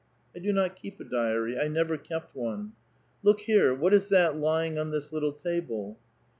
'' I do not keep a diary ; I never kept one." " Look here ; what is that lying on this little table?